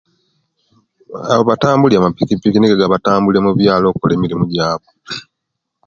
Batambulya mapikipiki nigo agabatambulya omubyalo okola emirimu jabu